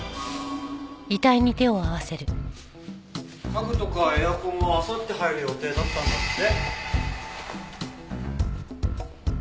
家具とかエアコンもあさって入る予定だったんだって。